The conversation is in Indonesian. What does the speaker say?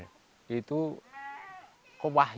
bahwa dalang wayang beber bahwa dalang wayang beber